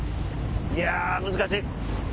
いや難しい。